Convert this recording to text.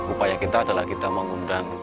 upaya kita adalah kita mengundang